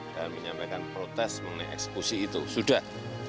kami menyampaikan protes mengenai eksekusi itu sudah